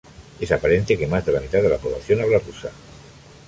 Es" "aparente que más de la mitad de la población habla" "rusa.